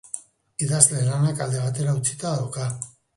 Idazle lanak alde batera utzita dauka.